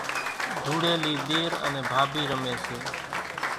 ڌوڙيلي ۮير انين ڀاڀي رمي ۿڳي سي